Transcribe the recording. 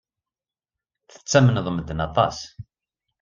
Tettamneḍ medden aṭas.